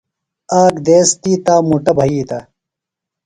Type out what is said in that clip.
آک دیس تی تا مُٹہ ھِیتہ۔